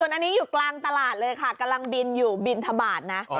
อันนี้อยู่กลางตลาดเลยค่ะกำลังบินอยู่บินทบาทนะ